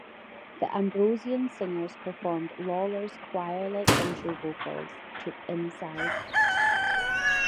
The Ambrosian Singers performed Lawlor's choir-like intro vocals to "Inside".